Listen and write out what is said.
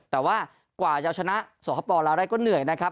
แต่ว่ากว่าจะชนะสวทพพอร์ฬะไลน์ก็เหนื่อยนะครับ